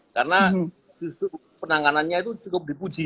karena penanganannya itu cukup dipuji